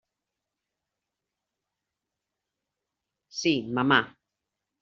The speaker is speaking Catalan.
Sí, mamà.